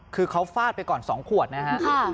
คือเขาฟาดไปก่อน๒ขวดนะฮะ